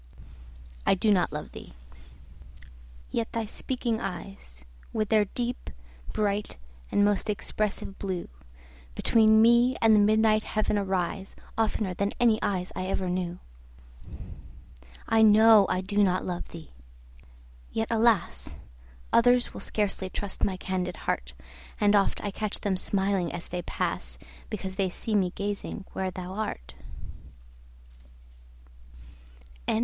I do not love thee!—yet thy speaking eyes, With their deep, bright, and most expressive blue, Between me and the midnight heaven arise, 15 Oftener than any eyes I ever knew. I know I do not love thee! yet, alas! Others will scarcely trust my candid heart; And oft I catch them smiling as they pass, Because they see me gazing where thou art.